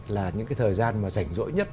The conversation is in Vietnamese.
là những thời gian rảnh rỗi nhất